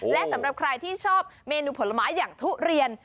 และสำหรับใครที่ชอบเมนูผลไม้อย่างทุเรียน